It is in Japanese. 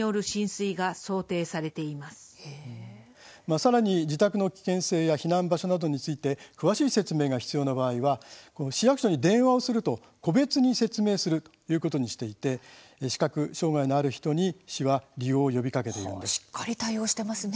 さらに自宅の危険性や避難場所などについて詳しい説明が必要な場合は市役所に電話をすると個別に説明をするということにしていて視覚障害のある人に市は利用を呼びかけています。